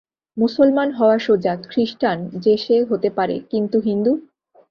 মুসলমান হওয়া সোজা, খ্রীস্টান যে-সে হতে পারে– কিন্তু হিন্দু!